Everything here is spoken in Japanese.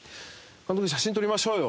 写真撮りましょうよ！